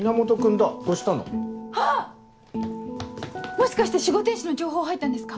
もしかして守護天使の情報入ったんですか？